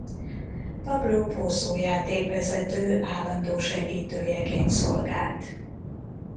Pablo Pozo játékvezető állandó segítőjeként szolgált.